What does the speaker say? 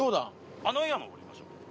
あの岩を登りましょう。